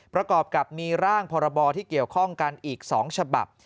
ประกอบกับมีร่างพรบที่เกี่ยวข้องกันอีก๒ฉบับ